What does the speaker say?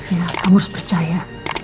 ya kamu harus percaya